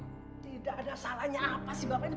tidak ada salahnya apa sih bapak ini